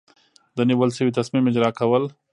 د نیول شوي تصمیم اجرا کول.